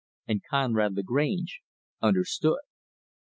And Conrad Lagrange understood.